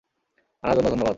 আনার জন্য ধন্যবাদ।